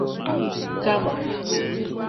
kamà